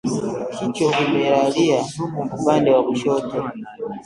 Kichwa kimelalia upande wa kushoto